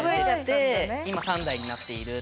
で今３台になっている。